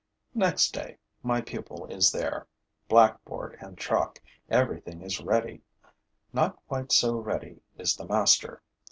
Next day, my pupil is there. Blackboard and chalk, everything is ready. Not quite so ready is the master.